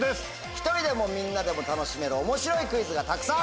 １人でもみんなでも楽しめる面白いクイズがたくさん！